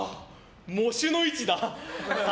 喪主の位置だ。